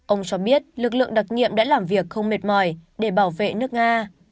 ông cho biết lực lượng đặc nhiệm đã làm việc không mệt mỏi để bảo vệ nước nga